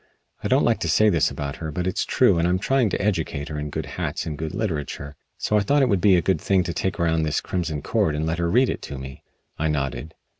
I don't like to say this about her, but it's true and I'm trying to educate her in good hats and good literature. So I thought it would be a good thing to take around this 'Crimson Cord' and let her read it to me." I nodded.